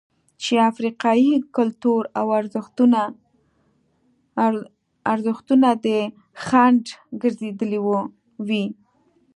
چې افریقايي کلتور او ارزښتونه دې خنډ ګرځېدلي وي.